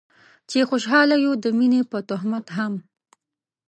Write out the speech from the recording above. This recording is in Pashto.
چې خوشحاله يو د مينې په تهمت هم